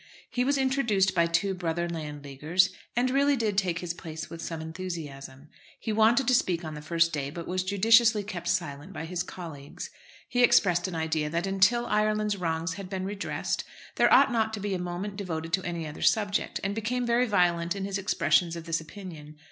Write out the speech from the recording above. He was introduced by two brother Landleaguers, and really did take his place with some enthusiasm. He wanted to speak on the first day, but was judiciously kept silent by his colleagues. He expressed an idea that, until Ireland's wrongs had been redressed, there ought not to be a moment devoted to any other subject, and became very violent in his expressions of this opinion.